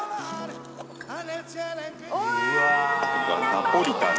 うわナポリタン！